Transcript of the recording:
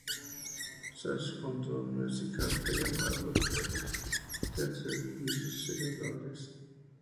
Sachs fundó un music hall llamado Players' Theatre en Villiers Street, Londres.